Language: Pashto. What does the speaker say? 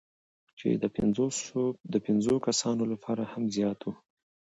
چې د پنځو کسانو لپاره هم زیات وو،